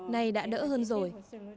này đã đỡ hơn rồi